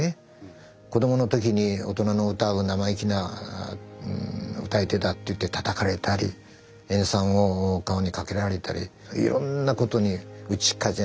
子供の時に大人の歌う生意気な歌い手だってたたかれたり塩酸を顔にかけられたりいろんな事に乗り越えながらね